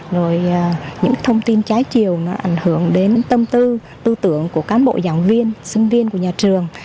rồi những thông tin trái chiều nó ảnh hưởng đến tâm tư tư tưởng của cán bộ giảng viên sinh viên của nhà trường